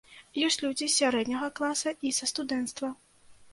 Ёсць людзі з сярэдняга класа і са студэнцтва.